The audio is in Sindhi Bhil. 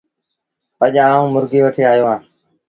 اَڄ آئوٚݩ مرگي وٺي آيو اهآݩ